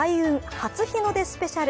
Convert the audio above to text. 初日の出スペシャル」。